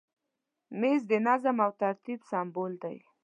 مېز د نظم او ترتیب سمبول دی.